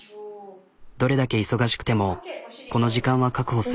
どれだけ忙しくてもこの時間は確保する。